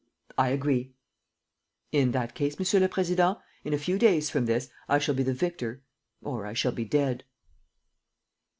"I agree." "In that case, Monsieur le Président, in a few days from this I shall be the victor ... or I shall be dead."